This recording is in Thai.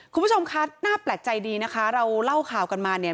คุณผู้ชมคะน่าแปลกใจดีนะคะเราเล่าข่าวกันมาเนี่ย